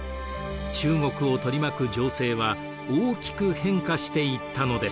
中国を取りまく情勢は大きく変化していったのです。